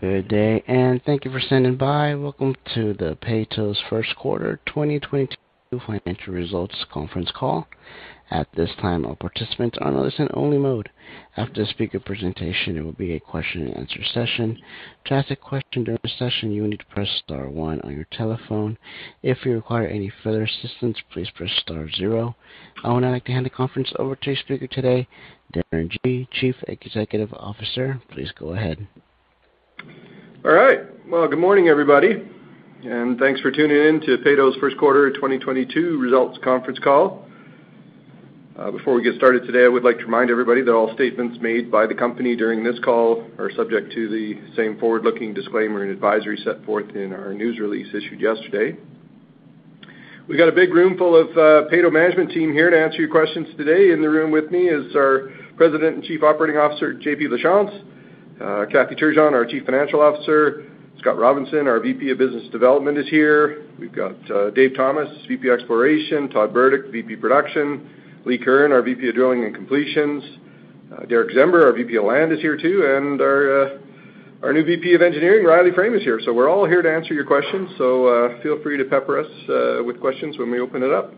Good day, and thank you for standing by. Welcome to Peyto's first quarter 2022 financial results conference call. At this time, all participants are in listen only mode. After the speaker presentation, there will be a question-and-answer session. To ask a question during the session, you will need to press star one on your telephone. If you require any further assistance, please press star zero. I would now like to hand the conference over to your speaker today, Darren Gee, Chief Executive Officer. Please go ahead. All right. Well, good morning, everybody, and thanks for tuning in to Peyto's first quarter 2022 results conference call. Before we get started today, I would like to remind everybody that all statements made by the company during this call are subject to the same forward-looking disclaimer and advisory set forth in our news release issued yesterday. We've got a big room full of, Peyto management team here to answer your questions today. In the room with me is our President and Chief Operating Officer, JP Lachance, Kathy Turgeon, our Chief Financial Officer, Scott Robinson, our VP of Business Development is here. We've got, Dave Thomas, VP Exploration, Todd Burdick, VP Production, Lee Curran, our VP of Drilling and Completions. Derick Czember, our VP of Land, is here too, and our new VP of Engineering, Riley Frame, is here. We're all here to answer your questions, so feel free to pepper us with questions when we open it up.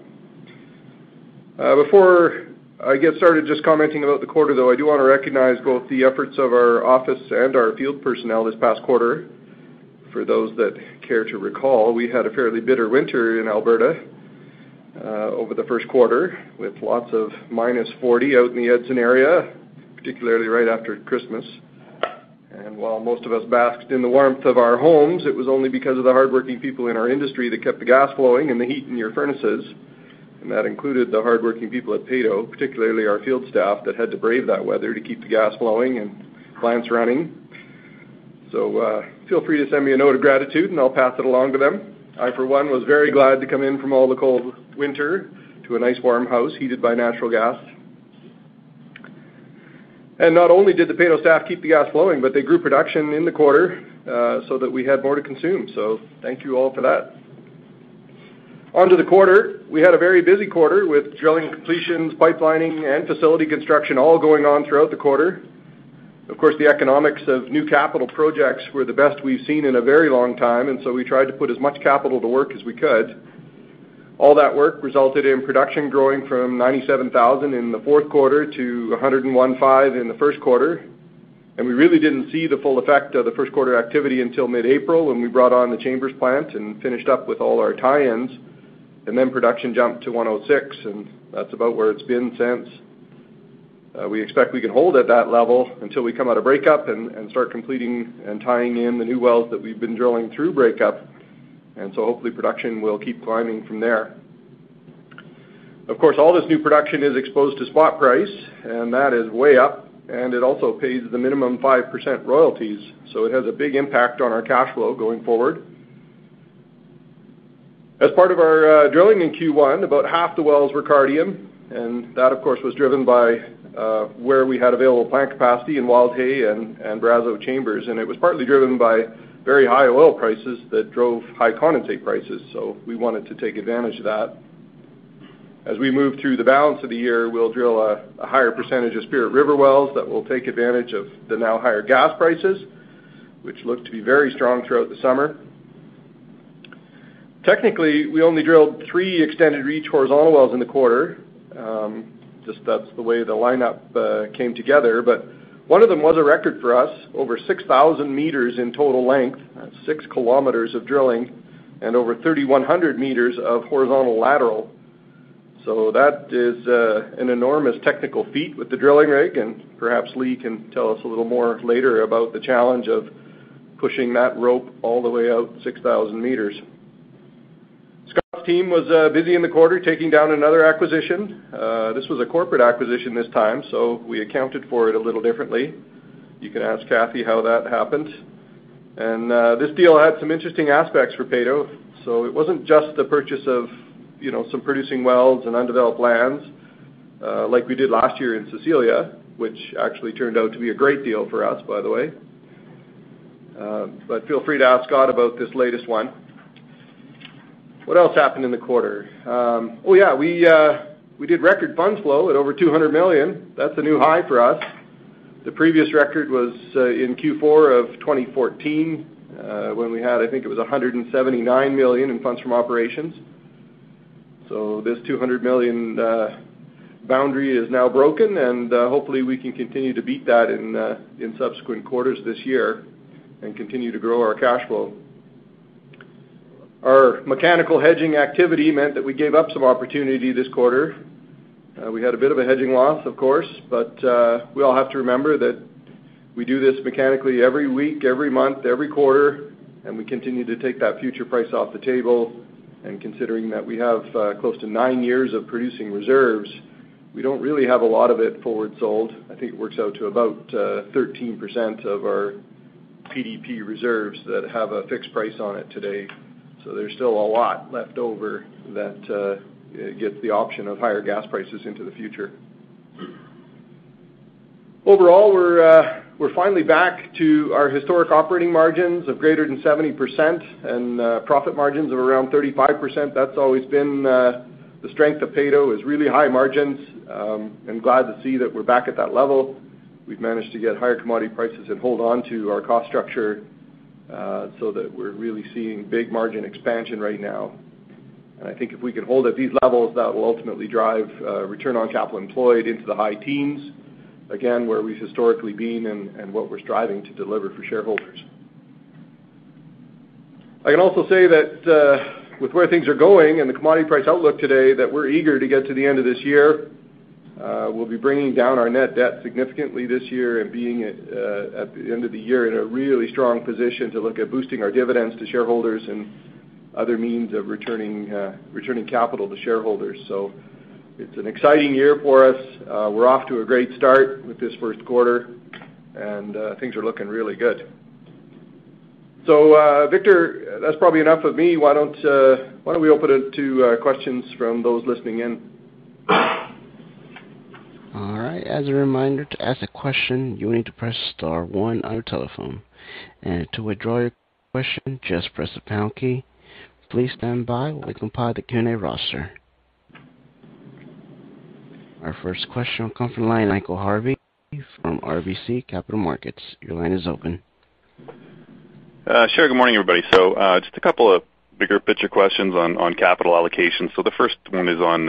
Before I get started just commenting about the quarter, though, I do wanna recognize both the efforts of our office and our field personnel this past quarter. For those that care to recall, we had a fairly bitter winter in Alberta over the first quarter, with lots of minus 40 out in the Edson area, particularly right after Christmas. While most of us basked in the warmth of our homes, it was only because of the hardworking people in our industry that kept the gas flowing and the heat in your furnaces. That included the hardworking people at Peyto, particularly our field staff that had to brave that weather to keep the gas flowing and clients running. Feel free to send me a note of gratitude, and I'll pass it along to them. I, for one, was very glad to come in from all the cold winter to a nice, warm house heated by natural gas. Not only did the Peyto staff keep the gas flowing, but they grew production in the quarter, so that we had more to consume. Thank you all for that. On to the quarter. We had a very busy quarter with drilling completions, pipelining, and facility construction all going on throughout the quarter. Of course, the economics of new capital projects were the best we've seen in a very long time, and so we tried to put as much capital to work as we could. All that work resulted in production growing from 97,000 in the fourth quarter to 101.5 in the first quarter. We really didn't see the full effect of the first quarter activity until mid-April, when we brought on the Chambers plant and finished up with all our tie-ins. Then production jumped to 106, and that's about where it's been since. We expect we can hold at that level until we come out of breakup and start completing and tying in the new wells that we've been drilling through breakup. Hopefully, production will keep climbing from there. Of course, all this new production is exposed to spot price, and that is way up, and it also pays the minimum 5% royalties, so it has a big impact on our cash flow going forward. As part of our drilling in Q1, about half the wells were Cardium, and that, of course, was driven by where we had available plant capacity in Wildhay and Brazeau Chambers, and it was partly driven by very high oil prices that drove high condensate prices, so we wanted to take advantage of that. As we move through the balance of the year, we'll drill a higher percentage of Spirit River wells that will take advantage of the now higher gas prices, which look to be very strong throughout the summer. Technically, we only drilled 3 extended reach horizontal wells in the quarter. Just that's the way the lineup came together. One of them was a record for us, over 6,000 meters in total length, 6 kilometers of drilling, and over 3,100 meters of horizontal lateral. That is an enormous technical feat with the drilling rig, and perhaps Lee can tell us a little more later about the challenge of pushing that rope all the way out 6,000 meters. Scott's team was busy in the quarter taking down another acquisition. This was a corporate acquisition this time, so we accounted for it a little differently. You can ask Cathy how that happened. This deal had some interesting aspects for Peyto, so it wasn't just the purchase of, you know, some producing wells and undeveloped lands like we did last year in Cecilia, which actually turned out to be a great deal for us, by the way. Feel free to ask Scott about this latest one. What else happened in the quarter? We did record funds flow at over 200 million. That's a new high for us. The previous record was in Q4 of 2014, when we had, I think it was 179 million in funds from operations. This 200 million boundary is now broken, and hopefully, we can continue to beat that in subsequent quarters this year and continue to grow our cash flow. Our mechanical hedging activity meant that we gave up some opportunity this quarter. We had a bit of a hedging loss, of course, but we all have to remember that we do this mechanically every week, every month, every quarter, and we continue to take that future price off the table. Considering that we have close to nine years of producing reserves, we don't really have a lot of it forward sold. I think it works out to about 13% of our PDP reserves that have a fixed price on it today. So there's still a lot left over that gets the option of higher gas prices into the future. Overall, we're finally back to our historic operating margins of greater than 70% and profit margins of around 35%. That's always been the strength of Peyto is really high margins. I'm glad to see that we're back at that level. We've managed to get higher commodity prices and hold on to our cost structure, so that we're really seeing big margin expansion right now. I think if we can hold at these levels, that will ultimately drive return on capital employed into the high teens, again, where we've historically been and what we're striving to deliver for shareholders. I can also say that, with where things are going and the commodity price outlook today, that we're eager to get to the end of this year. We'll be bringing down our net debt significantly this year and being at the end of the year in a really strong position to look at boosting our dividends to shareholders and other means of returning capital to shareholders. It's an exciting year for us. We're off to a great start with this first quarter, and things are looking really good. Victor, that's probably enough of me. Why don't we open it to questions from those listening in? All right. As a reminder, to ask a question, you will need to press star one on your telephone. To withdraw your question, just press the pound key. Please stand by while we compile the Q&A roster. Our first question will come from the line of Michael Harvey from RBC Capital Markets. Your line is open. Sure. Good morning, everybody. Just a couple of bigger picture questions on capital allocation. The first one is on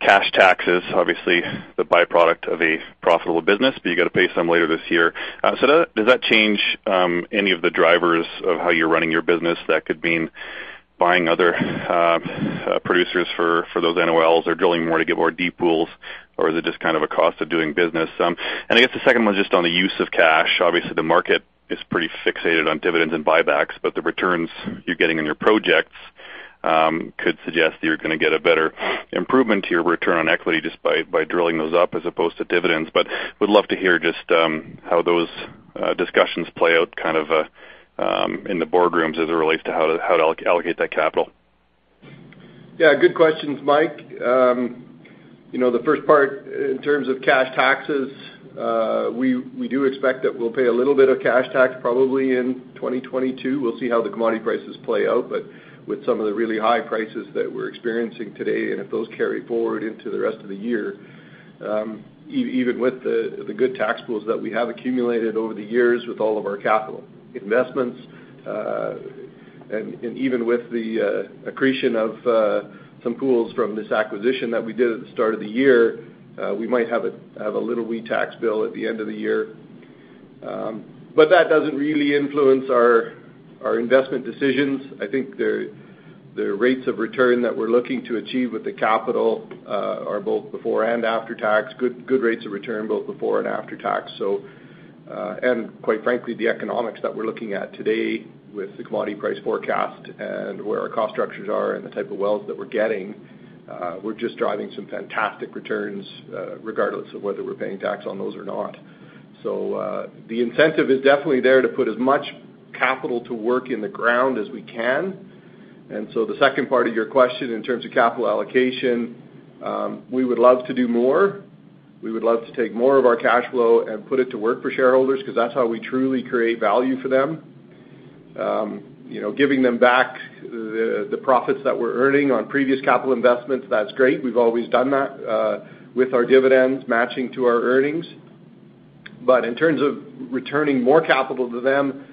cash taxes. Obviously, the byproduct of a profitable business, but you gotta pay some later this year. Does that change any of the drivers of how you're running your business that could mean buying other producers for those NOLs or drilling more to get more deep pools? Or is it just kind of a cost of doing business? I guess the second one is just on the use of cash. Obviously, the market is pretty fixated on dividends and buybacks, but the returns you're getting on your projects could suggest that you're gonna get a better improvement to your return on equity just by drilling those up as opposed to dividends. Would love to hear just how those discussions play out kind of in the boardrooms as it relates to how to allocate that capital. Yeah, good questions, Mike. You know, the first part in terms of cash taxes, we do expect that we'll pay a little bit of cash tax probably in 2022. We'll see how the commodity prices play out, but with some of the really high prices that we're experiencing today, and if those carry forward into the rest of the year, even with the good tax pools that we have accumulated over the years with all of our capital investments, and even with the accretion of some pools from this acquisition that we did at the start of the year, we might have a little wee tax bill at the end of the year. But that doesn't really influence our investment decisions. I think the rates of return that we're looking to achieve with the capital are both before and after tax. Good rates of return both before and after tax. Quite frankly, the economics that we're looking at today with the commodity price forecast and where our cost structures are and the type of wells that we're getting, we're just driving some fantastic returns, regardless of whether we're paying tax on those or not. The incentive is definitely there to put as much capital to work in the ground as we can. The second part of your question, in terms of capital allocation, we would love to do more. We would love to take more of our cash flow and put it to work for shareholders because that's how we truly create value for them. You know, giving them back the profits that we're earning on previous capital investments, that's great. We've always done that, with our dividends matching to our earnings. In terms of returning more capital to them,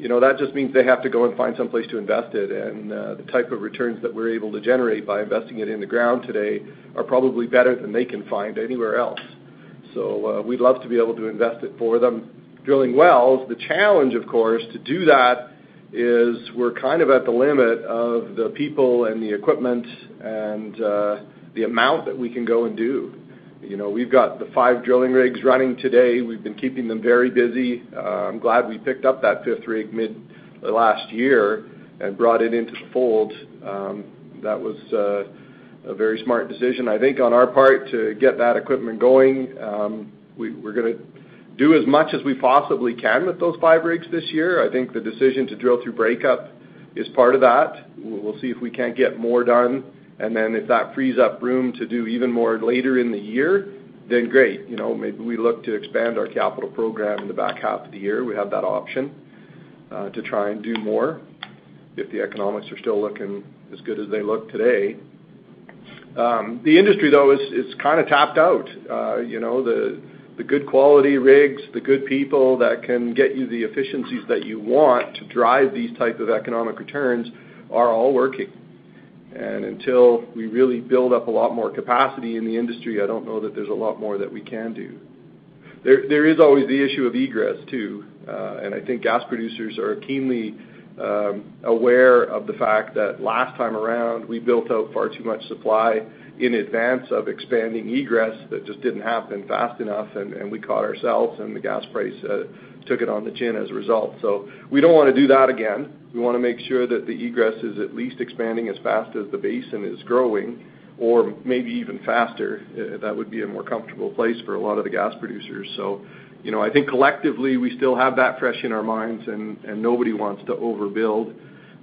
you know, that just means they have to go and find some place to invest it. The type of returns that we're able to generate by investing it in the ground today are probably better than they can find anywhere else. We'd love to be able to invest it for them. Drilling wells, the challenge, of course, to do that is we're kind of at the limit of the people and the equipment and the amount that we can go and do. You know, we've got the 5 drilling rigs running today. We've been keeping them very busy. I'm glad we picked up that fifth rig mid last year and brought it into the fold. That was a very smart decision, I think, on our part to get that equipment going. We're gonna do as much as we possibly can with those five rigs this year. I think the decision to drill through breakup is part of that. We'll see if we can't get more done. If that frees up room to do even more later in the year, then great. You know, maybe we look to expand our capital program in the back half of the year. We have that option to try and do more if the economics are still looking as good as they look today. The industry, though, is kinda tapped out. You know, the good quality rigs, the good people that can get you the efficiencies that you want to drive these type of economic returns are all working. Until we really build up a lot more capacity in the industry, I don't know that there's a lot more that we can do. There is always the issue of egress, too. I think gas producers are keenly aware of the fact that last time around, we built out far too much supply in advance of expanding egress. That just didn't happen fast enough, and we caught ourselves, and the gas price took it on the chin as a result. We don't wanna do that again. We wanna make sure that the egress is at least expanding as fast as the basin is growing or maybe even faster. That would be a more comfortable place for a lot of the gas producers. You know, I think collectively, we still have that fresh in our minds and nobody wants to overbuild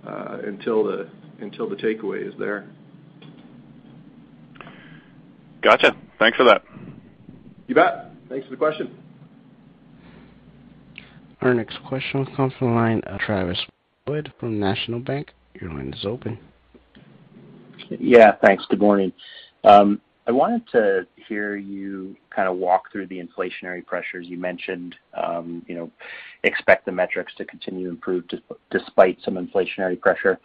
until the takeaway is there. Gotcha. Thanks for that. You bet. Thanks for the question. Our next question comes from the line of Travis Wood from National Bank. Your line is open. Yeah, thanks. Good morning. I wanted to hear you kinda walk through the inflationary pressures you mentioned. Expect the metrics to continue to improve despite some inflationary pressure.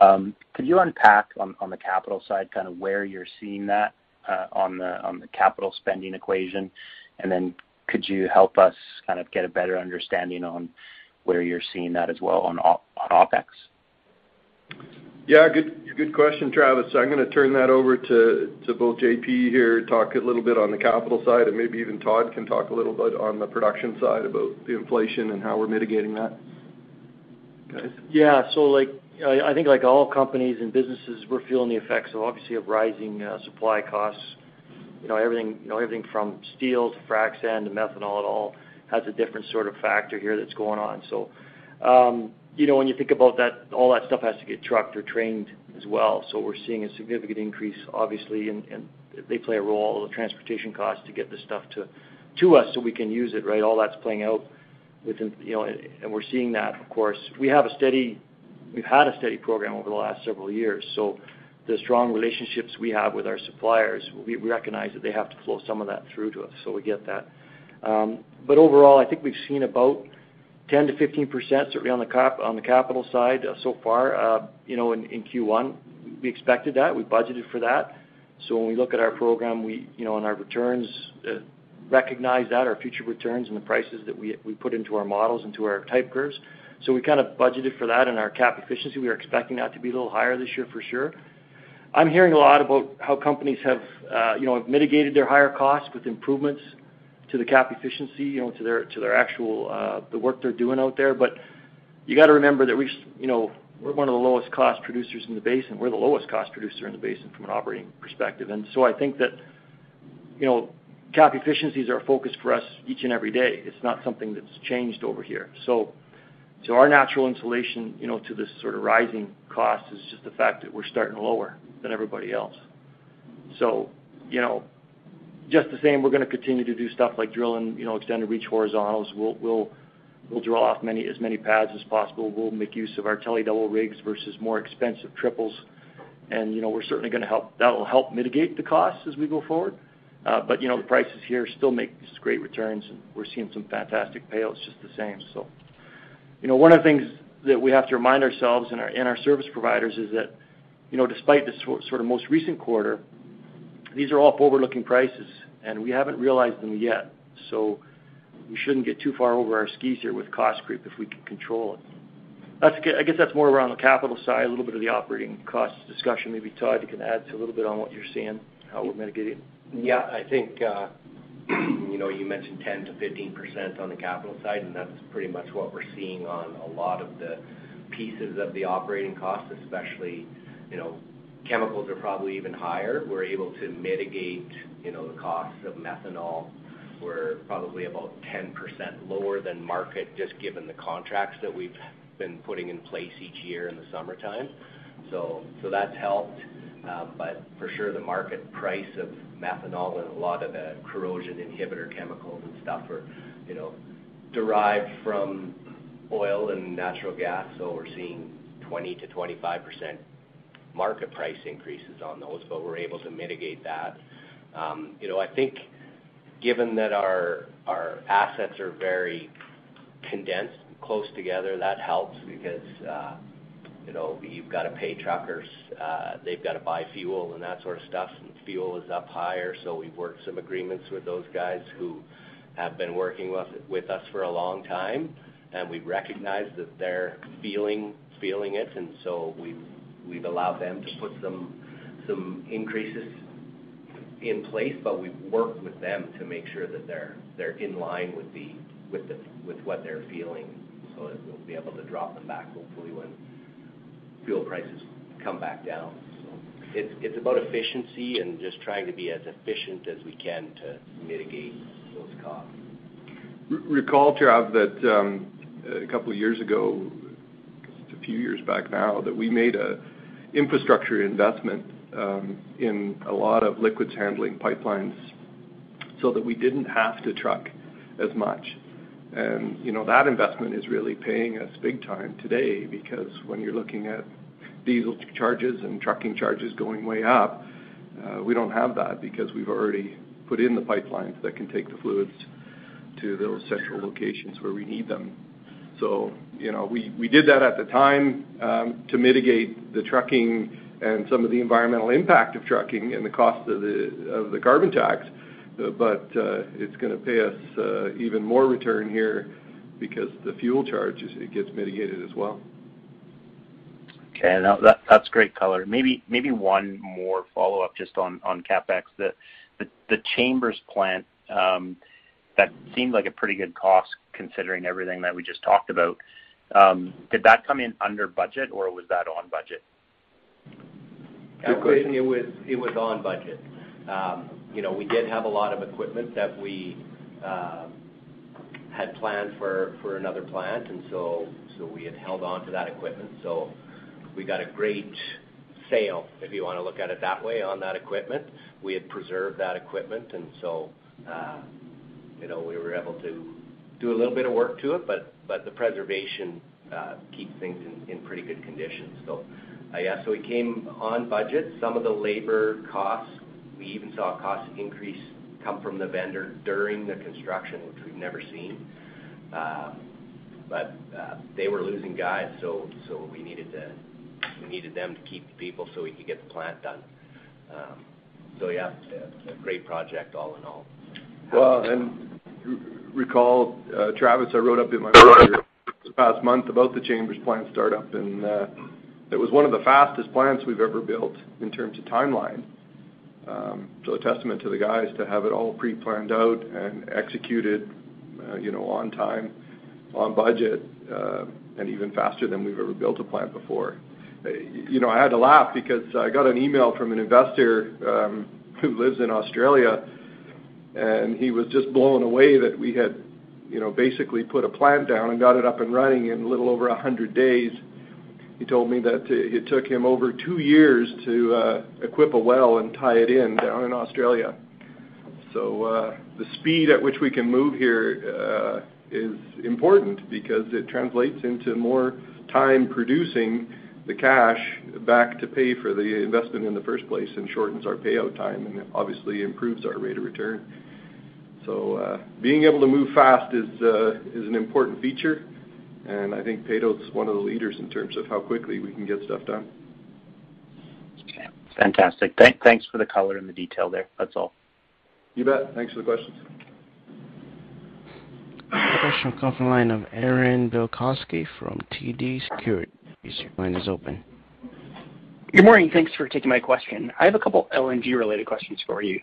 Could you unpack on the capital side kind of where you're seeing that on the capital spending equation? Then could you help us kind of get a better understanding on where you're seeing that as well on OPEX? Yeah. Good question, Travis. I'm gonna turn that over to both JP here, talk a little bit on the capital side, and maybe even Todd can talk a little bit on the production side about the inflation and how we're mitigating that. Guys? Yeah. Like, I think like all companies and businesses, we're feeling the effects of, obviously, rising supply costs. You know, everything, you know, everything from steel to frac sand to methanol, it all has a different sort of factor here that's going on. You know, when you think about that, all that stuff has to get trucked or railed as well. We're seeing a significant increase, obviously, and they play a role, the transportation costs, to get this stuff to us so we can use it, right? All that's playing out within. You know, we're seeing that, of course. We've had a steady program over the last several years, so the strong relationships we have with our suppliers, we recognize that they have to flow some of that through to us, so we get that. Overall, I think we've seen about 10%-15% certainly on the capital side so far, you know, in Q1. We expected that. We budgeted for that. When we look at our program, You know, our returns recognize that, our future returns and the prices that we put into our models, into our type curves. We kinda budgeted for that in our cap efficiency. We're expecting that to be a little higher this year for sure. I'm hearing a lot about how companies have, you know, mitigated their higher costs with improvements to the cap efficiency, you know, to their actual, the work they're doing out there. You gotta remember that you know, we're one of the lowest cost producers in the basin. We're the lowest cost producer in the basin from an operating perspective. I think that, you know, CapEx efficiencies are a focus for us each and every day. It's not something that's changed over here. Our natural insulation, you know, to this sort of rising cost is just the fact that we're starting lower than everybody else. Just the same, we're gonna continue to do stuff like drilling, you know, extended reach horizontals. We'll draw off as many pads as possible. We'll make use of our tele-double double rigs versus more expensive triples. That will help mitigate the costs as we go forward. The prices here still make great returns, and we're seeing some fantastic payouts just the same. You know, one of the things that we have to remind ourselves and our service providers is that, you know, despite the sort of most recent quarter, these are all forward-looking prices, and we haven't realized them yet. We shouldn't get too far over our skis here with cost creep if we can control it. That's. I guess that's more around the capital side, a little bit of the operating cost discussion. Maybe Todd, you can add a little bit on what you're seeing, how we're mitigating. Yeah. I think you know, you mentioned 10%-15% on the capital side, and that's pretty much what we're seeing on a lot of the pieces of the operating cost, especially you know, chemicals are probably even higher. We're able to mitigate you know, the costs of methanol. We're probably about 10% lower than market just given the contracts that we've been putting in place each year in the summertime. So that's helped. But for sure, the market price of methanol and a lot of the corrosion inhibitor chemicals and stuff are you know, derived from oil and natural gas. So we're seeing 20%-25% market price increases on those, but we're able to mitigate that. You know, I think given that our assets are very condensed and close together, that helps because you know, you've gotta pay truckers, they've gotta buy fuel and that sort of stuff. Fuel is up higher, so we've worked some agreements with those guys who have been working with us for a long time. We've recognized that they're feeling it, and we've allowed them to put some increases in place. We've worked with them to make sure that they're in line with what they're feeling so that we'll be able to drop them back hopefully when fuel prices come back down. It's about efficiency and just trying to be as efficient as we can to mitigate those costs. Recall, Travis, that a couple years ago, I guess it's a few years back now, that we made an infrastructure investment in a lot of liquids handling pipelines so that we didn't have to truck as much. You know, that investment is really paying us big time today because when you're looking at diesel charges and trucking charges going way up, we don't have that because we've already put in the pipelines that can take the fluids to those central locations where we need them. You know, we did that at the time to mitigate the trucking and some of the environmental impact of trucking and the cost of the carbon tax, but it's gonna pay us even more return here because the fuel charges it gets mitigated as well. Okay. No, that's great color. Maybe one more follow-up just on CapEx. The Chambers plant, that seemed like a pretty good cost considering everything that we just talked about. Did that come in under budget, or was that on budget? Good question. It was on budget. You know, we did have a lot of equipment that we had planned for another plant, and so we had held on to that equipment. We got a great sale, if you wanna look at it that way, on that equipment. We had preserved that equipment and so you know, we were able to do a little bit of work to it, but the preservation keeps things in pretty good condition. It came on budget. Some of the labor costs We even saw a cost increase come from the vendor during the construction, which we've never seen. They were losing guys, so we needed them to keep the people so we could get the plant done. Yeah, a great project all in all. Recall, Travis, I wrote up in my letter this past month about the Chambers plant startup, and it was one of the fastest plants we've ever built in terms of timeline. A testament to the guys to have it all pre-planned out and executed, you know, on time, on budget, and even faster than we've ever built a plant before. You know, I had to laugh because I got an email from an investor, who lives in Australia, and he was just blown away that we had, you know, basically put a plant down and got it up and running in a little over 100 days. He told me that it took him over two years to equip a well and tie it in down in Australia. The speed at which we can move here is important because it translates into more time producing the cash back to pay for the investment in the first place and shortens our payout time and obviously improves our rate of return. Being able to move fast is an important feature, and I think Peyto is one of the leaders in terms of how quickly we can get stuff done. Okay, fantastic. Thanks for the color and the detail there. That's all. You bet. Thanks for the question. Question coming from the line of Aaron Bilkoski from TD Securities. Your line is open. Good morning. Thanks for taking my question. I have a couple LNG-related questions for you.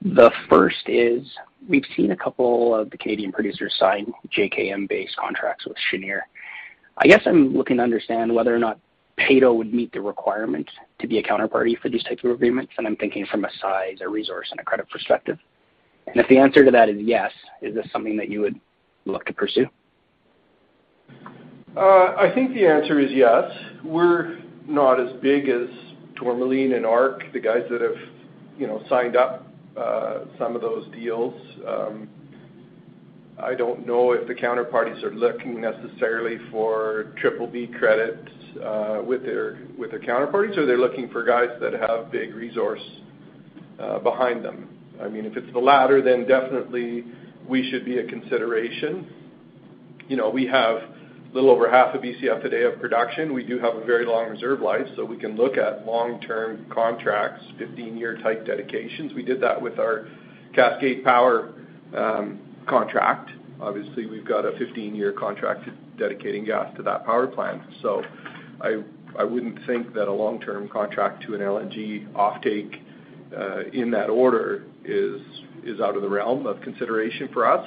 The first is, we've seen a couple of the Canadian producers sign JKM-based contracts with Cheniere. I guess I'm looking to understand whether or not Peyto would meet the requirements to be a counterparty for these types of agreements, and I'm thinking from a size, a resource, and a credit perspective. If the answer to that is yes, is this something that you would look to pursue? I think the answer is yes. We're not as big as Tourmaline and Arc, the guys that have, you know, signed up some of those deals. I don't know if the counterparties are looking necessarily for triple B credits with their counterparties, or they're looking for guys that have big resource behind them. I mean, if it's the latter, then definitely we should be a consideration. You know, we have a little over half a BCF a day of production. We do have a very long reserve life, so we can look at long-term contracts, 15-year type dedications. We did that with our Cascade Power contract. Obviously, we've got a 15-year contract dedicating gas to that power plant. I wouldn't think that a long-term contract to an LNG offtake in that order is out of the realm of consideration for us.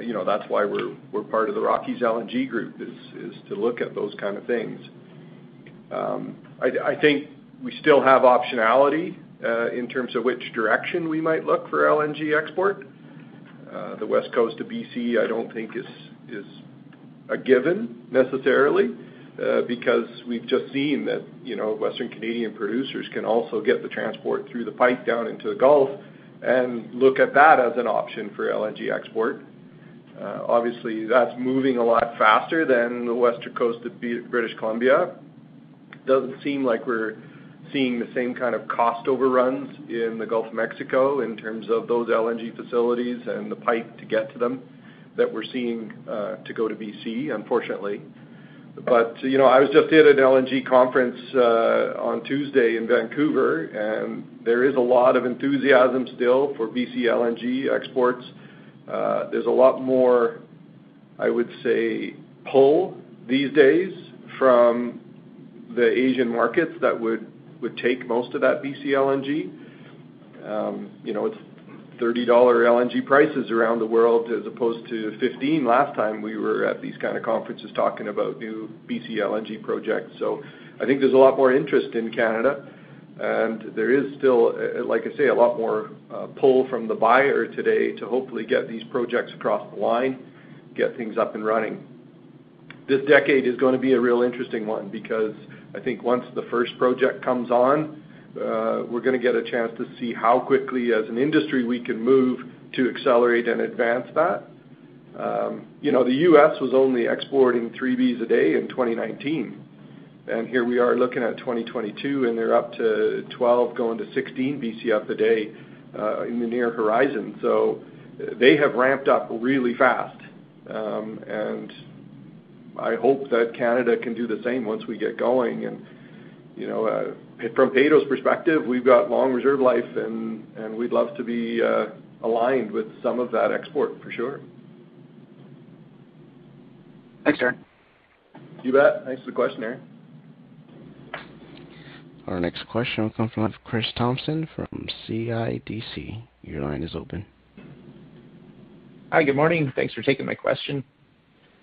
You know, that's why we're part of the Rockies LNG group is to look at those kinds of things. I think we still have optionality in terms of which direction we might look for LNG export. The West Coast of BC, I don't think is a given necessarily because we've just seen that, you know, Western Canadian producers can also get the transport through the pipe down into the Gulf and look at that as an option for LNG export. Obviously, that's moving a lot faster than the Western Coast of British Columbia. It doesn't seem like we're seeing the same kind of cost overruns in the Gulf of Mexico in terms of those LNG facilities and the pipe to get to them that we're seeing to go to BC, unfortunately. You know, I was just at an LNG conference on Tuesday in Vancouver, and there is a lot of enthusiasm still for BC LNG exports. There's a lot more, I would say, pull these days from the Asian markets that would take most of that BC LNG. You know, it's $30 LNG prices around the world as opposed to $15 last time we were at these kind of conferences talking about new BC LNG projects. I think there's a lot more interest in Canada, and there is still, like I say, a lot more pull from the buyer today to hopefully get these projects across the line, get things up and running. This decade is gonna be a real interesting one because I think once the first project comes on, we're gonna get a chance to see how quickly as an industry we can move to accelerate and advance that. You know, the US was only exporting 3 BCF a day in 2019, and here we are looking at 2022, and they're up to 12, going to 16 BCF a day, in the near horizon. They have ramped up really fast. I hope that Canada can do the same once we get going. You know, from Peyto's perspective, we've got long reserve life, and we'd love to be aligned with some of that export for sure. Thanks, Aaron. You bet. Thanks for the question, Aaron. Our next question will come from Chris Thompson from CIBC. Your line is open. Hi, good morning. Thanks for taking my question.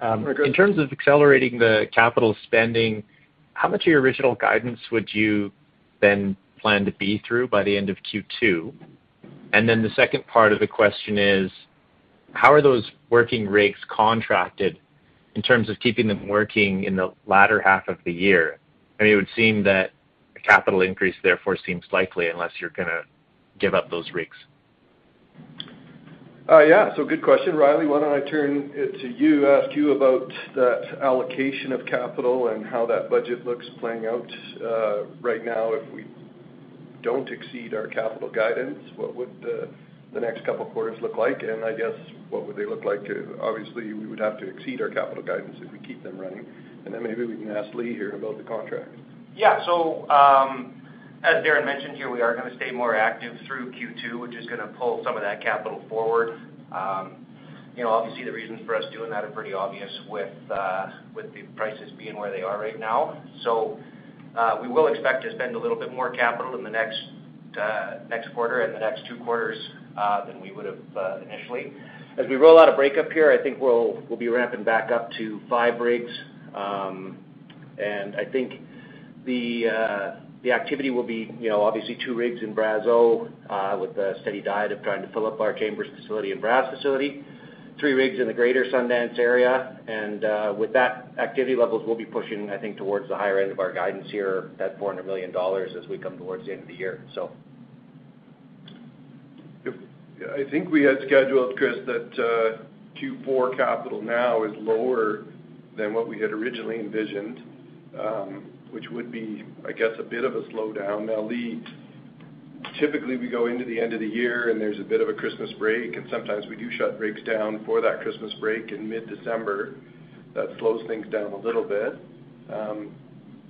Good morning, Chris. In terms of accelerating the capital spending, how much of your original guidance would you then plan to be through by the end of Q2? And then the second part of the question is, how are those working rigs contracted in terms of keeping them working in the latter half of the year? I mean, it would seem that a capital increase, therefore seems likely unless you're gonna give up those rigs. Good question. Riley, why don't I turn it to you, ask you about that allocation of capital and how that budget looks playing out, right now. If we don't exceed our capital guidance, what would the next couple of quarters look like? I guess what would they look like? Obviously, we would have to exceed our capital guidance if we keep them running. Then maybe we can ask Lee here about the contracts. Yeah. As Darren mentioned here, we are gonna stay more active through Q2, which is gonna pull some of that capital forward. You know, obviously, the reasons for us doing that are pretty obvious with the prices being where they are right now. We will expect to spend a little bit more capital in the next quarter and the next 2 quarters than we would have initially. As we roll out a break-up here, I think we'll be ramping back up to 5 rigs. I think the activity will be, you know, obviously 2 rigs in Brazeau, with a steady diet of trying to fill up our Chambers facility and Brazeau facility, 3 rigs in the greater Sundance area. With that activity levels, we'll be pushing, I think, towards the higher end of our guidance here at 400 million dollars as we come towards the end of the year. I think we had scheduled, Chris, that Q4 capital now is lower than what we had originally envisioned, which would be, I guess, a bit of a slowdown. Now, Lee, typically, we go into the end of the year, and there's a bit of a Christmas break, and sometimes we do shut rigs down for that Christmas break in mid-December. That slows things down a little bit.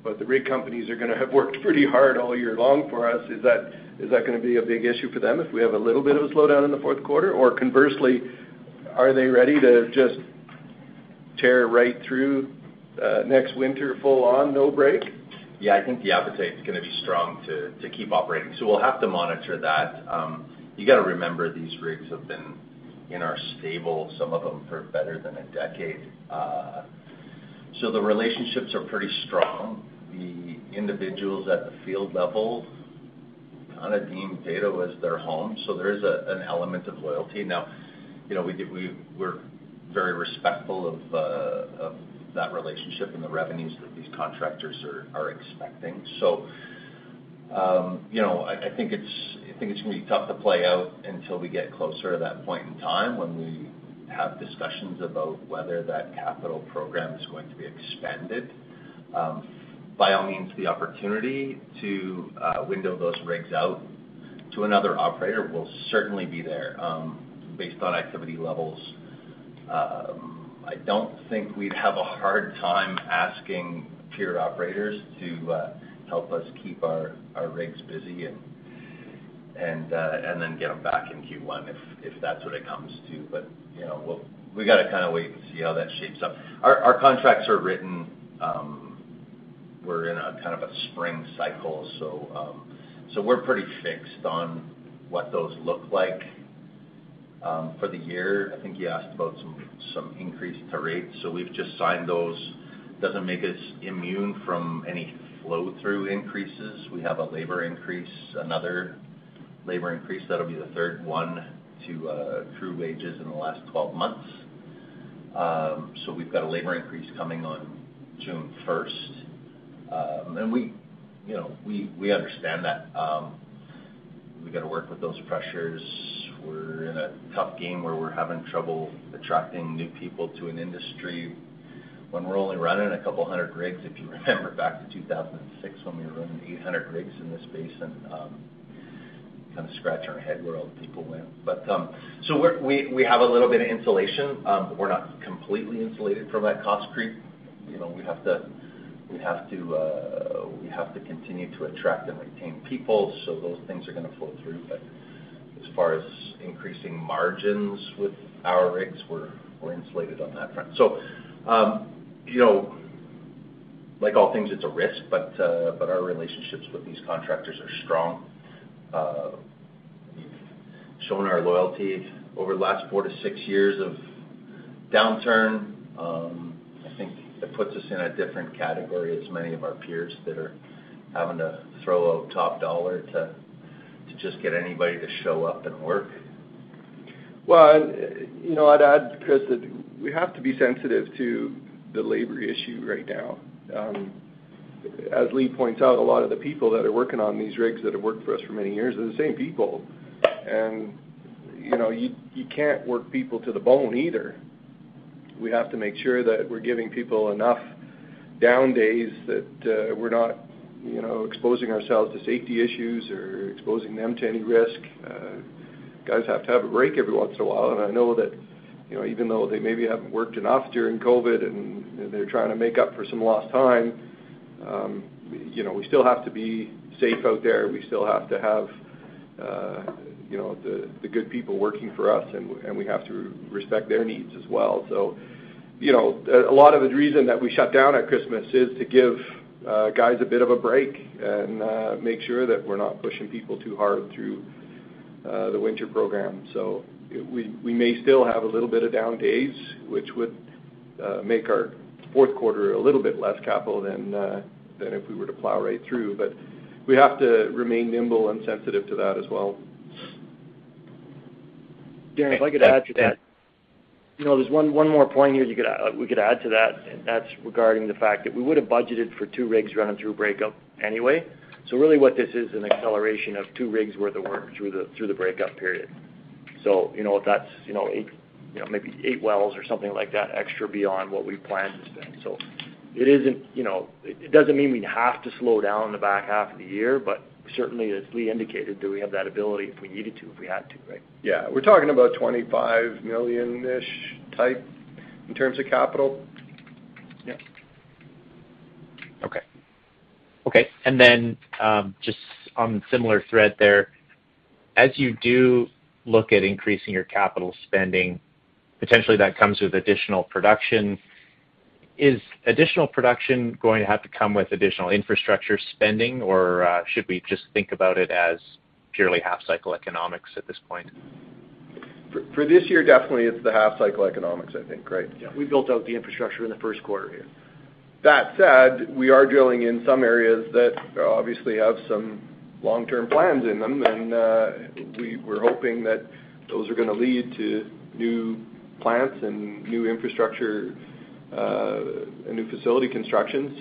But the rig companies are gonna have worked pretty hard all year long for us. Is that gonna be a big issue for them if we have a little bit of a slowdown in the fourth quarter? Or conversely, are they ready to just tear right through next winter full on, no break? Yeah. I think the appetite is gonna be strong to keep operating, so we'll have to monitor that. You gotta remember these rigs have been in our stable, some of them for better than a decade. So the relationships are pretty strong. The individuals at the field level kinda deem Peyto as their home, so there is an element of loyalty. Now, you know, we're very respectful of that relationship and the revenues that these contractors are expecting. So, you know, I think it's gonna be tough to play out until we get closer to that point in time when we have discussions about whether that capital program is going to be expanded. By all means, the opportunity to window those rigs out to another operator will certainly be there, based on activity levels. I don't think we'd have a hard time asking peer operators to help us keep our rigs busy and then get them back in Q1 if that's what it comes to. You know, we gotta kinda wait and see how that shapes up. Our contracts are written. We're in a kind of a spring cycle, so we're pretty fixed on what those look like for the year. I think you asked about some increase to rates. We've just signed those. Doesn't make us immune from any flow-through increases. We have a labor increase, another labor increase. That'll be the third one to true-up wages in the last twelve months. We've got a labor increase coming on June first. We, you know, we understand that we gotta work with those pressures. We're in a tough game where we're having trouble attracting new people to an industry when we're only running a couple hundred rigs, if you remember back to 2006 when we were running 800 rigs in this basin. Kinda scratch our head where all the people went. We have a little bit of insulation. We're not completely insulated from that cost creep. You know, we have to continue to attract and retain people, so those things are gonna flow through. As far as increasing margins with our rigs, we're insulated on that front. You know, like all things, it's a risk, but our relationships with these contractors are strong. We've shown our loyalty over the last 4-6 years of downturn. I think it puts us in a different category as many of our peers that are having to throw out top dollar to just get anybody to show up and work. Well, you know, I'd add, Chris, that we have to be sensitive to the labor issue right now. As Lee points out, a lot of the people that are working on these rigs that have worked for us for many years are the same people. You know, you can't work people to the bone either. We have to make sure that we're giving people enough down days that we're not, you know, exposing ourselves to safety issues or exposing them to any risk. Guys have to have a break every once in a while. I know that, you know, even though they maybe haven't worked enough during COVID and they're trying to make up for some lost time, you know, we still have to be safe out there. We still have to have you know the good people working for us, and we have to respect their needs as well. You know, a lot of the reason that we shut down at Christmas is to give guys a bit of a break and make sure that we're not pushing people too hard through the winter program. We may still have a little bit of down days, which would make our fourth quarter a little bit less capital than if we were to plow right through. We have to remain nimble and sensitive to that as well. Darren, if I could add to that. You know, there's one more point here we could add to that, and that's regarding the fact that we would have budgeted for two rigs running through breakup anyway. Really what this is an acceleration of two rigs worth of work through the breakup period. You know, if that's, you know, eight, you know, maybe eight wells or something like that extra beyond what we planned to spend. It isn't, you know. It doesn't mean we'd have to slow down the back half of the year, but certainly, as Lee indicated, do we have that ability if we needed to, if we had to, right? Yeah. We're talking about 25 million-ish type in terms of capital. Yep. Okay, just on similar thread there. As you do look at increasing your capital spending, potentially that comes with additional production. Is additional production going to have to come with additional infrastructure spending, or, should we just think about it as purely half-cycle economics at this point? For this year, definitely it's the half-cycle economics, I think, right? Yeah. We built out the infrastructure in the first quarter here. That said, we are drilling in some areas that obviously have some long-term plans in them, and we're hoping that those are gonna lead to new plants and new infrastructure, and new facility constructions.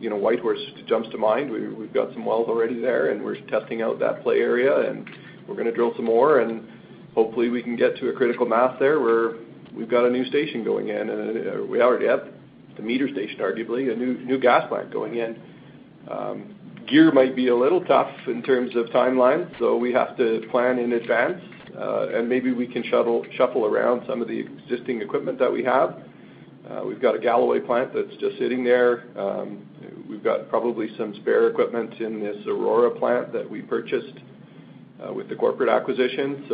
You know, Whitehorse jumps to mind. We've got some wells already there, and we're testing out that play area, and we're gonna drill some more, and hopefully we can get to a critical mass there where we've got a new station going in. We already have the meter station, arguably, a new gas plant going in. Year might be a little tough in terms of timeline, so we have to plan in advance, and maybe we can shuffle around some of the existing equipment that we have. We've got a Galloway plant that's just sitting there. We've got probably some spare equipment in this Aurora plant that we purchased with the corporate acquisition.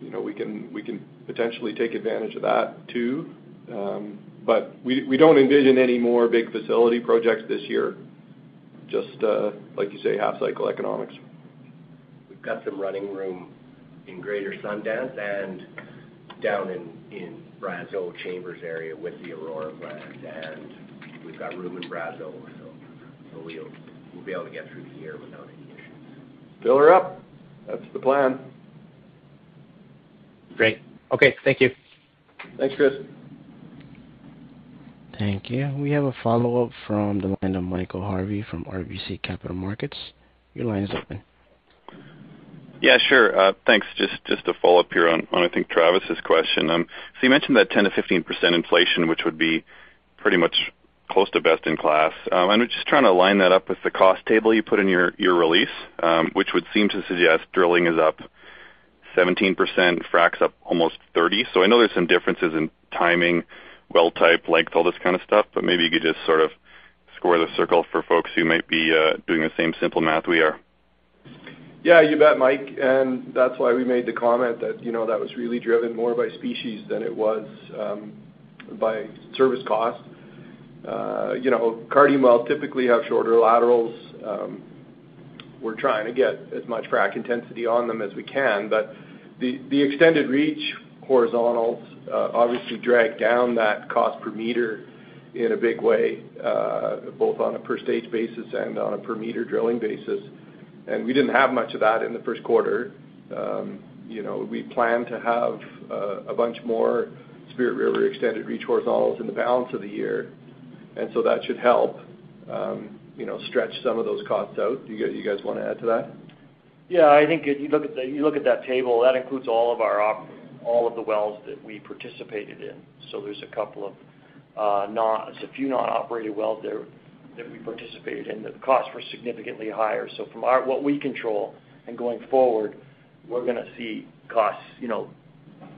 You know, we can potentially take advantage of that too. We don't envision any more big facility projects this year, just like you say, half-cycle economics. We've got some running room in Greater Sundance and down in Brazeau Chambers area with the Aurora plant, and we've got room in Brazeau, so we'll be able to get through the year without any issues. Fill her up. That's the plan. Great. Okay. Thank you. Thanks, Chris. Thank you. We have a follow-up from the line of Michael Harvey from RBC Capital Markets. Your line is open. Yeah, sure. Thanks. Just to follow up here on, I think, Travis's question. You mentioned that 10%-15% inflation, which would be pretty much close to best in class. I'm just trying to line that up with the cost table you put in your release, which would seem to suggest drilling is up 17%, fracs up almost 30%. I know there's some differences in timing, well type, length, all this kind of stuff, but maybe you could just sort of square the circle for folks who might be doing the same simple math we are. Yeah, you bet, Mike. That's why we made the comment that, you know, that was really driven more by speeds than it was by service costs. You know, Cardium wells typically have shorter laterals. We're trying to get as much frac intensity on them as we can. The extended reach horizontals obviously drag down that cost per meter in a big way, both on a per stage basis and on a per meter drilling basis. We didn't have much of that in the first quarter. You know, we plan to have a bunch more Spirit River extended reach horizontals in the balance of the year, and so that should help, you know, stretch some of those costs out. Do you guys wanna add to that? Yeah, I think if you look at that table, that includes all of the wells that we participated in. There's a few non-operated wells there that we participated in. The costs were significantly higher. From what we control and going forward, we're gonna see costs, you know,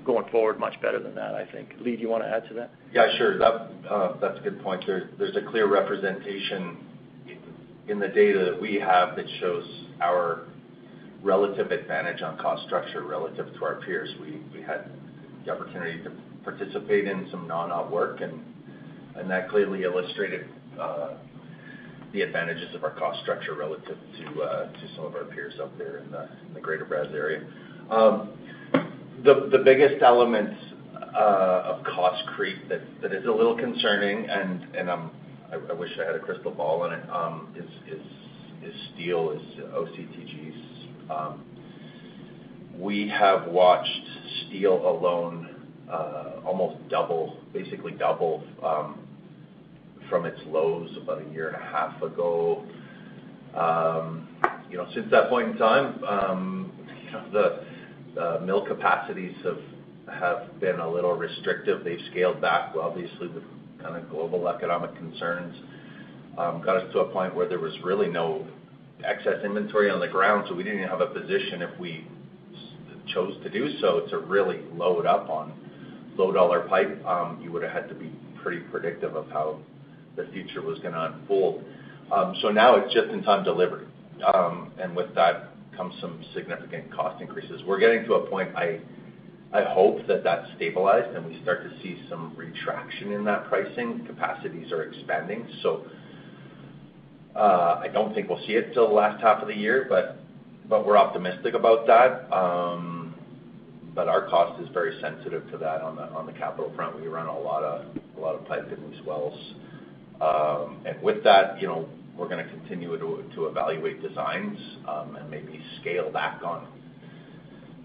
going forward much better than that, I think. Lee, do you wanna add to that? Yeah, sure. That's a good point. There's a clear representation in the data that we have that shows our relative advantage on cost structure relative to our peers. We had the opportunity to participate in some non-op work, and that clearly illustrated the advantages of our cost structure relative to some of our peers out there in the Greater Brazeau area. The biggest element of cost creep that is a little concerning, and I wish I had a crystal ball on it, is steel, OCTG. We have watched steel alone almost double, basically double, from its lows about a year and a half ago. You know, since that point in time, you know, the mill capacities have been a little restrictive. They've scaled back, obviously, with kind of global economic concerns, got us to a point where there was really no excess inventory on the ground, so we didn't have a position if we chose to do so to really load up on low-dollar pipe. You would've had to be pretty predictive of how the future was gonna unfold. Now it's just-in-time delivery. With that comes some significant cost increases. We're getting to a point, I hope that's stabilized, and we start to see some retraction in that pricing. Capacities are expanding. I don't think we'll see it till the last half of the year, but we're optimistic about that. Our cost is very sensitive to that on the capital front. We run a lot of pipe in these wells. With that, you know, we're gonna continue to evaluate designs, and maybe scale back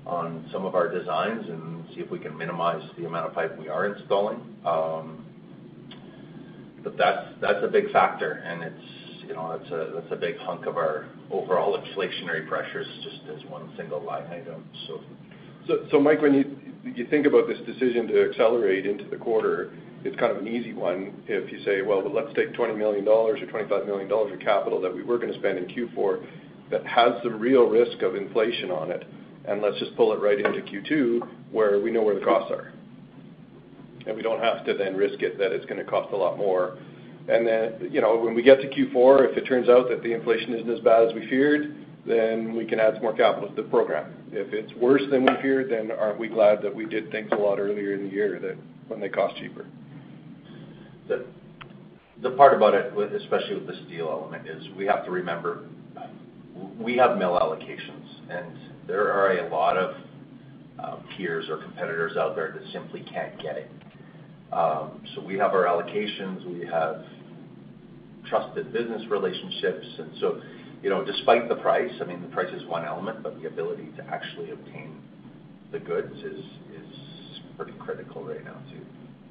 on some of our designs and see if we can minimize the amount of pipe we are installing. That's a big factor, and it's, you know, a big hunk of our overall inflationary pressures just as one single line item. Mike, when you think about this decision to accelerate into the quarter, it's kind of an easy one if you say, well, let's take 20 million dollars or 25 million dollars of capital that we were gonna spend in Q4 that has the real risk of inflation on it, and let's just pull it right into Q2 where we know where the costs are. We don't have to then risk it that it's gonna cost a lot more. You know, when we get to Q4, if it turns out that the inflation isn't as bad as we feared, then we can add some more capital to the program. If it's worse than we feared, then aren't we glad that we did things a lot earlier in the year that when they cost cheaper. The part about it, especially with the steel element, is we have to remember, we have mill allocations, and there are a lot of peers or competitors out there that simply can't get it. We have our allocations. We have trusted business relationships. You know, despite the price, I mean, the price is one element, but the ability to actually obtain the goods is pretty critical right now too.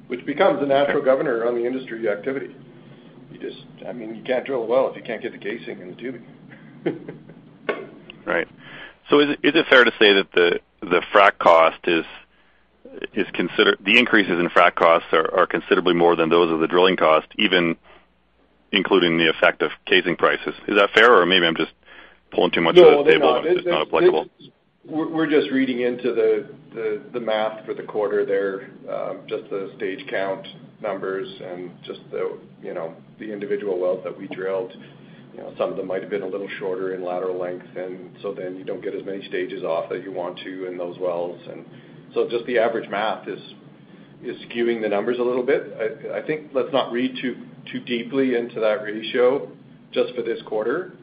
Which becomes a natural governor on the industry activity. I mean, you can't drill a well if you can't get the casing and the tubing. Right. Is it fair to say that the increases in frack costs are considerably more than those of the drilling cost, even including the effect of casing prices? Is that fair? Or maybe I'm just pulling too much of the table, and it's not applicable. No. We're just reading into the math for the quarter there, just the stage count numbers and just the, you know, the individual wells that we drilled. You know, some of them might have been a little shorter in lateral length, and so then you don't get as many stages off as you want to in those wells. Just the average math is skewing the numbers a little bit. I think, let's not read too deeply into that ratio just for this quarter.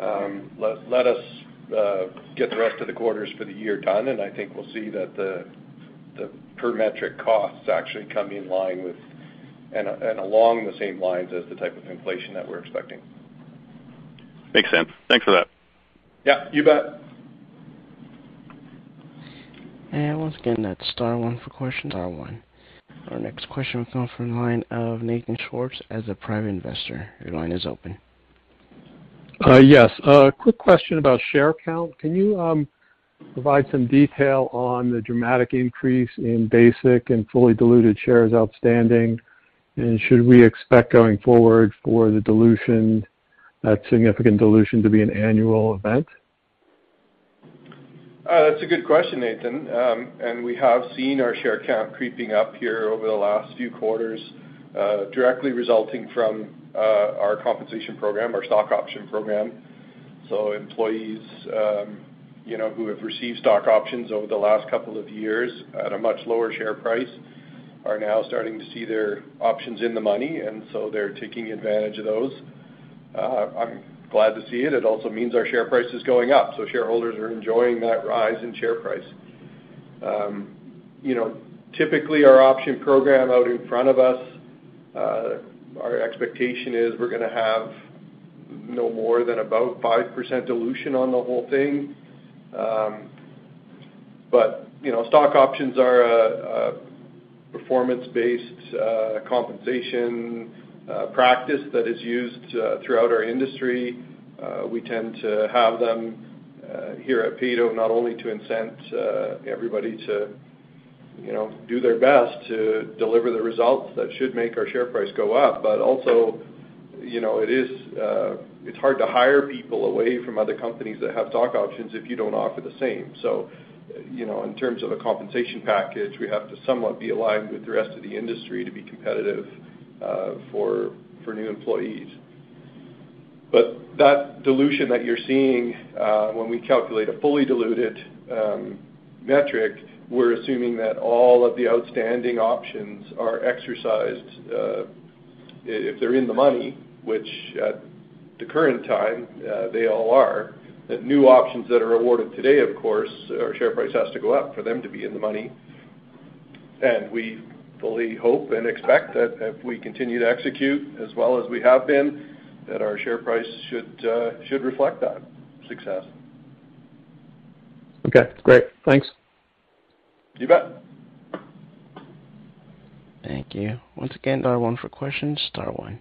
Let us get the rest of the quarters for the year done, and I think we'll see that the per metric costs actually come in line with and along the same lines as the type of inflation that we're expecting. Makes sense. Thanks for that. Yeah, you bet. Once again, that's star one for questions, star one. Our next question will come from the line of Nathan Schwartz as a private investor. Your line is open. Yes. A quick question about share count. Can you provide some detail on the dramatic increase in basic and fully diluted shares outstanding? Should we expect going forward for the dilution, that significant dilution to be an annual event? That's a good question, Nathan. We have seen our share count creeping up here over the last few quarters, directly resulting from our compensation program, our stock option program. Employees, you know, who have received stock options over the last couple of years at a much lower share price are now starting to see their options in the money, and so they're taking advantage of those. I'm glad to see it. It also means our share price is going up, so shareholders are enjoying that rise in share price. You know, typically our option program out in front of us, our expectation is we're gonna have no more than about 5% dilution on the whole thing. You know, stock options are a performance-based compensation practice that is used throughout our industry. We tend to have them here at Peyto not only to incent everybody to, you know, do their best to deliver the results that should make our share price go up, but also, you know, it's hard to hire people away from other companies that have stock options if you don't offer the same. You know, in terms of a compensation package, we have to somewhat be aligned with the rest of the industry to be competitive for new employees. That dilution that you're seeing, when we calculate a fully diluted metric, we're assuming that all of the outstanding options are exercised, if they're in the money, which at the current time, they all are. The new options that are awarded today, of course, our share price has to go up for them to be in the money. We fully hope and expect that if we continue to execute as well as we have been, that our share price should reflect that success. Okay, great. Thanks. You bet. Thank you. Once again, star one for questions, star one.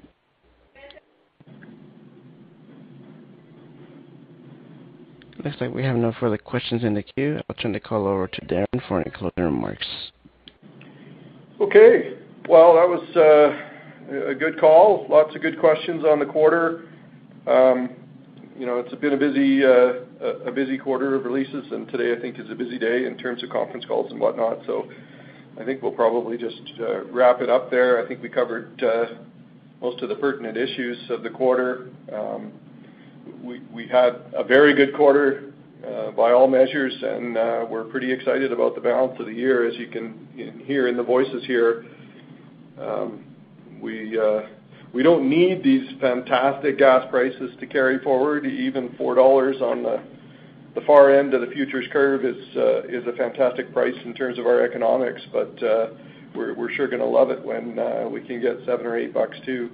Looks like we have no further questions in the queue. I'll turn the call over to Darren for any closing remarks. Okay. Well, that was a good call. Lots of good questions on the quarter. You know, it's been a busy quarter of releases, and today I think is a busy day in terms of conference calls and whatnot. I think we'll probably just wrap it up there. I think we covered most of the pertinent issues of the quarter. We had a very good quarter by all measures, and we're pretty excited about the balance of the year, as you can hear in the voices here. We don't need these fantastic gas prices to carry forward. Even $4 on the far end of the futures curve is a fantastic price in terms of our economics. We're sure gonna love it when we can get $7 or $8 too.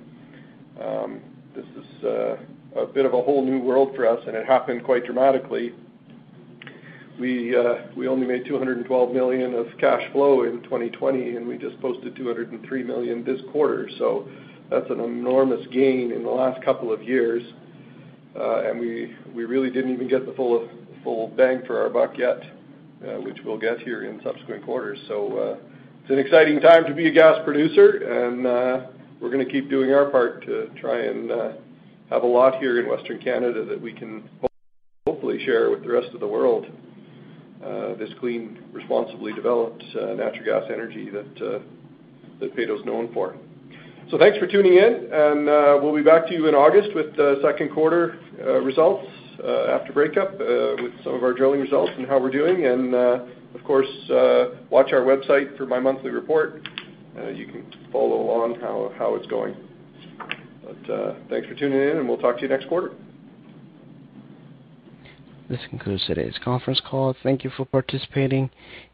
This is a bit of a whole new world for us, and it happened quite dramatically. We only made 212 million of cash flow in 2020, and we just posted 203 million this quarter. That's an enormous gain in the last couple of years. We really didn't even get the full bang for our buck yet, which we'll get here in subsequent quarters. It's an exciting time to be a gas producer, and we're gonna keep doing our part to try and have a lot here in Western Canada that we can hopefully share with the rest of the world, this clean, responsibly developed natural gas energy that Peyto's known for. Thanks for tuning in, and we'll be back to you in August with the second quarter results, after breakup, with some of our drilling results and how we're doing. Of course, watch our website for my monthly report. You can follow on how it's going. Thanks for tuning in, and we'll talk to you next quarter. This concludes today's conference call. Thank you for participating.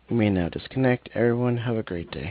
You may now disconnect. Everyone, have a great day.